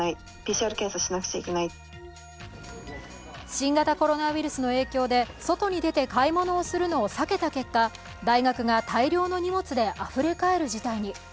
新型コロナウイルスの影響で外に出て買い物をするのを避けた結果、大学が大量の荷物であふれかえる事態に。